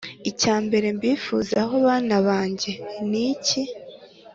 Icya mbere mbifuzaho bana bange niki